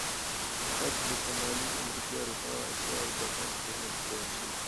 په کتاب کې د شمالي امریکا، اروپا، اسیا او جاپان سفرونه بیان شوي.